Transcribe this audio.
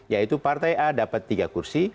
yaitu partai a dapat tiga kursi